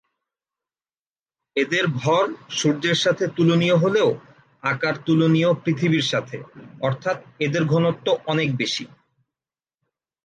এদের ভর সূর্যের সাথে তুলনীয় হলেও আকার তুলনীয় পৃথিবীর সাথে, অর্থাৎ এদের ঘনত্ব অনেক বেশি।